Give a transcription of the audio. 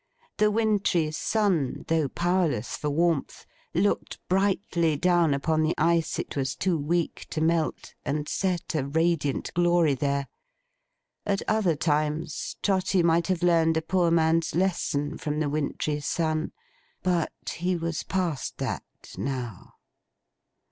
The wintry sun, though powerless for warmth, looked brightly down upon the ice it was too weak to melt, and set a radiant glory there. At other times, Trotty might have learned a poor man's lesson from the wintry sun; but, he was past that, now.